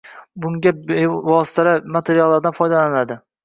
Bunga vositalar, materiallardan foydalanadi.